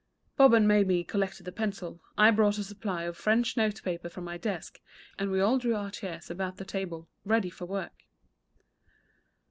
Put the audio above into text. Bob and Mamie collected the pencils, I brought a supply of French note paper from my desk, and we all drew our chairs about the table, ready for work.